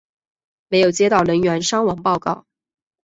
没有接到人员伤亡报告。